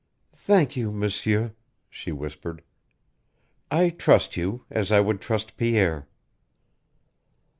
"Thank you, M'sieur," she whispered. "I trust you, as I would trust Pierre."